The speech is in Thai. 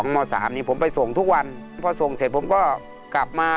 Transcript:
ม๓นี้ผมไปส่งทุกวันพอส่งเสร็จผมก็กลับมา